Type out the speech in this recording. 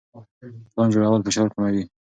پلان جوړول فشار کموي.